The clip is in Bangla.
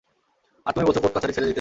আর তুমি বলছো কোর্ট-কাচারি ছেড়ে দিতে।